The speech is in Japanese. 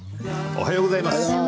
おはようございます。